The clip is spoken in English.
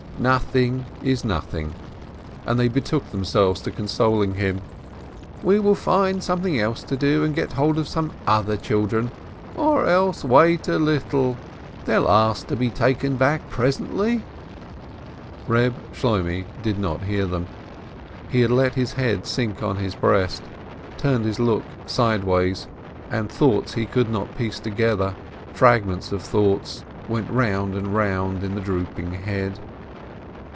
"Nothing is nothing!" and they betook themselves to consoling him. "We will find something else to do, get hold of some other children, or else wait a little — they'll ask to be taken back presently." Reb Shloimeh did not hear them. He had let his head sink on to his breast, turned his look sideways, and thoughts he could not piece together, fragments of thoughts, went round and round in the drooping head.